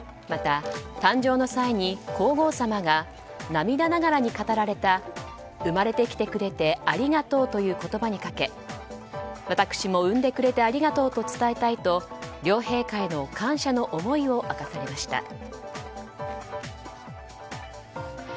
また、誕生の際に皇后さまが涙ながらに語られた生まれてきてくれてありがとうという言葉にかけ私も産んでくれてありがとうと伝えたいと両陛下への感謝の思いを明かされました。